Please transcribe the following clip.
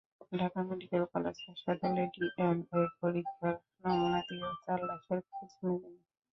Dhaka medical college হাসপাতালে DNA পরীক্ষার নমুনা দিয়েও তাঁর লাশের খোঁজ মেলেনি।